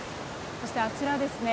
そして、あちらですね